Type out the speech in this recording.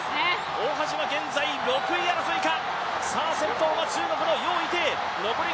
大橋は現在６位争いか。